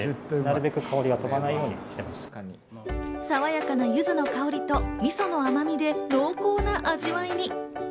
さわやかなゆずの香りとみその甘みで濃厚な味わいに。